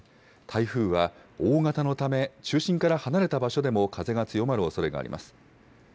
台風は大型のため、中心から離れた場所でも風が強まるおそれがあります。